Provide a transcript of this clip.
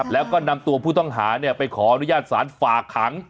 แล้วก็นำตัวผู้ต้องหาไปขออนุญาตศาลฝากขัง